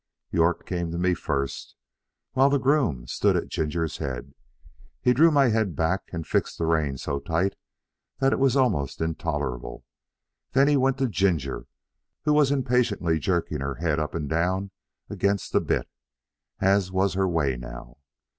York came to me first, while the groom stood at Ginger's head. He drew my head back and fixed the rein so tight that it was almost intolerable; then he went to Ginger, who was impatiently jerking her head up and down against the bit, as was her way now.